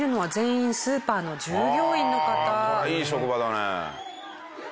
ああいい職場だね。